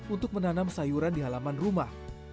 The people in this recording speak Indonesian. untuk menanam sayuran di halaman rumah